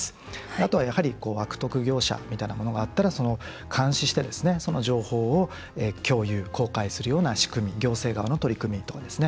あとは、やはり悪徳業者みたいなものがあったら監視して、その情報を共有、公開するような仕組み行政側の取り組みとかですね。